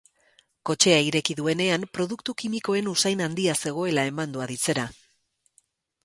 Kotxea ireki duenean produktu kimikoen usain handia zegoela eman du aditzera.